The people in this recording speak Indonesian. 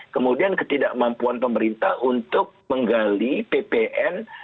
kemudian ketidakmampuan pemerintah untuk menggali ppn